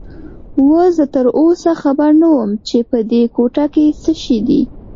اوه، زه تراوسه خبر نه وم چې په دې کوټه کې څه شی دي.